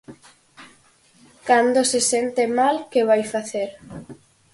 Cando se sente mal, ¿que vai facer?